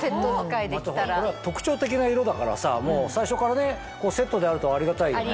あとこれは特徴的な色だからさもう最初からセットであるとありがたいよね。